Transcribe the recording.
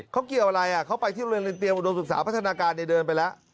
เขาเกี่ยวอะไรเขาไปที่โรงเรียนเตรียมอุดมศึกษาพัฒนาการเดินไปแล้ว